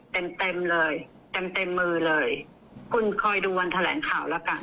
เต็มเต็มเลยเต็มเต็มมือเลยคุณคอยดูวันแถลงข่าวแล้วกัน